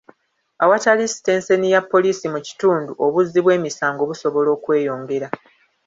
Awatali sitenseni ya poliisi mu kitundu, obuzzi bw'emisango busobola okweyongera.